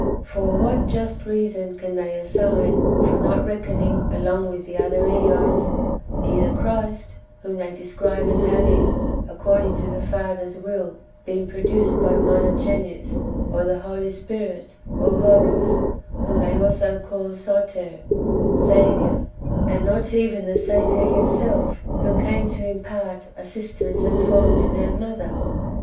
For what just reason can they assign for not reckoning along with the other ^ons, either Christ, whom they describe as having, according to the Father's will, been produced by Monogenes, or the Holy Spirit, or Horos, whom they also call Soter^ (Saviour), and not even the Saviour Himself, who came to impart assistance and form to their Mother?